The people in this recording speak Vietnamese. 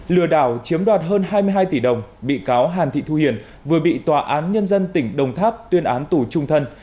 lừa đảo chiếm đoạt hơn hai mươi hai tỷ đồng bị cáo hàn thị thu hiền vừa bị tòa án nhân dân tỉnh đồng tháp tuyên án tù trung thân